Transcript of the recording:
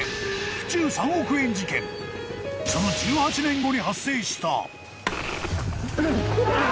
［その１８年後に発生した］